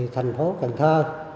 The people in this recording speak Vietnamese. thành phố cần thơ